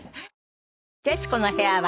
『徹子の部屋』は